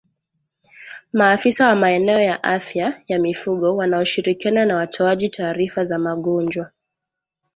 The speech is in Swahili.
maafisa wa maeneo ya afya ya mifugo wanaoshirikiana na watoaji taarifa za magonjwa